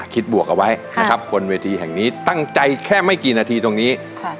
บวกเอาไว้นะครับบนเวทีแห่งนี้ตั้งใจแค่ไม่กี่นาทีตรงนี้